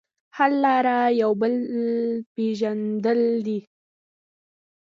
حل لاره یو بل پېژندل دي.